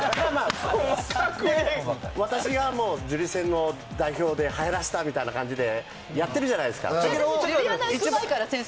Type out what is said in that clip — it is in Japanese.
私がジュリ扇の代表ではやらせたみたいな感じでやってるじゃないですか。